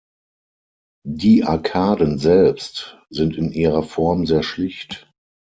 Die Arkaden selbst sind in ihrer Form sehr schlicht.